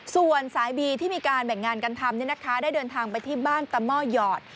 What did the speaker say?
ส่วนสายบีที่มีการแบ่งงานกันทำได้เดินทางไปที่บ้านตะหม้อหยอด